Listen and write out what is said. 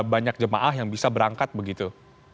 banyak jemaah yang bisa berangkat begitu